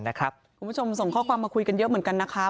ส่วนบุคคลนะครับคุณผู้ชมส่งข้อความมาคุยกันเยอะเหมือนกันนะคะ